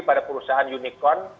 pada perusahaan unicaon